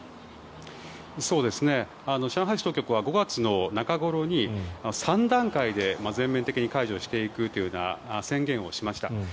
上海市当局は５月の中頃に３段階で全面的に解除していくというような宣言をしました。